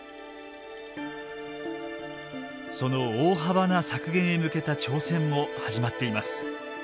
その大幅な削減へ向けた挑戦も始まっています。